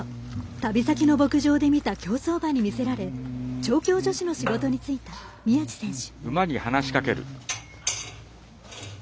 旅先の牧場で見た競走馬にみせられ調教助手の仕事に就いた宮路選手。